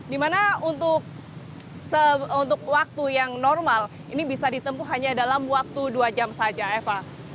dimana untuk waktu yang normal ini bisa ditempuh hanya dalam waktu dua jam saja eva